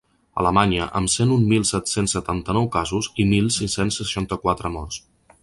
Alemanya, amb cent un mil set-cents setanta-nou casos i mil sis-cents seixanta-quatre morts.